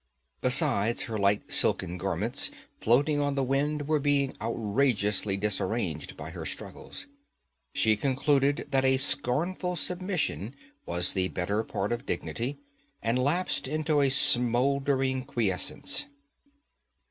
Besides, her light silken garments, floating on the wind, were being outrageously disarranged by her struggles. She concluded that a scornful submission was the better part of dignity, and lapsed into a smoldering quiescence.